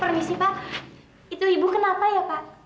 permisi pak itu ibu kenapa ya pak